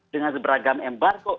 dengan beragam embar